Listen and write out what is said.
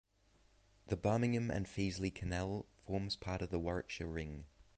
The Birmingham and Fazeley Canal forms part of the Warwickshire ring.